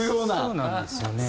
そうなんですよね。